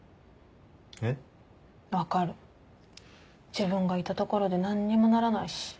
自分がいたところで何にもならないし。